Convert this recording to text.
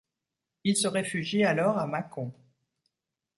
Il se réfugie alors à Mâcon.